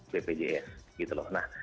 bpjs gitu loh